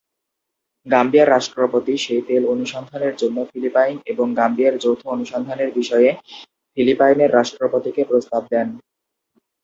গাম্বিয়ার রাষ্ট্রপতি সেই তেল অনুসন্ধানের জন্য ফিলিপাইন এবং গাম্বিয়ার যৌথ অনুসন্ধানের বিষয়ে ফিলিপাইনের রাষ্ট্রপতিকে প্রস্তাব দেন।